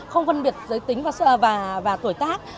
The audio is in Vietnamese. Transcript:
không phân biệt giới tính và tuổi tác